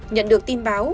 nhận được tin báo